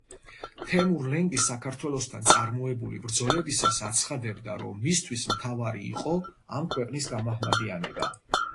თემურ-ლენგი საქართველოსთან წარმოებული ბრძოლებისას აცხადებდა რომ მისთვის მთავარი იყო ამ ქვეყნის გამაჰმადიანება.